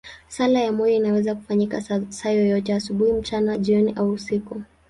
Sala ya moyo inaweza kufanyika saa yoyote, asubuhi, mchana, jioni au usiku.